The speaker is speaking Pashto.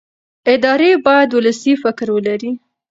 ادارې باید ولسي فکر ولري